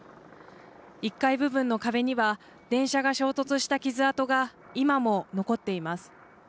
１階部分の壁には、電車が衝突した傷痕が今も残っています。